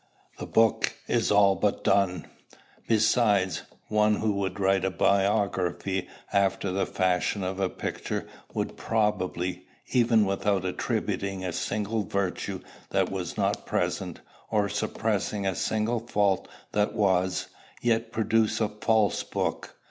The book is all but done. Besides, one who would write a biography after the fashion of a picture would probably, even without attributing a single virtue that was not present, or suppressing a single fault that was, yet produce a false book.